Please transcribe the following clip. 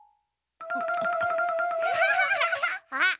あっ！